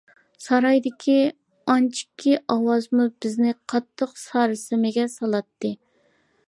سارايدىكى ئانچىكى ئاۋازمۇ بىزنى قاتتىق ساراسىمىگە سالاتتى.